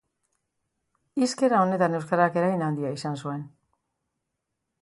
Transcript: Hizkera honetan euskarak eragin handia izan zuen.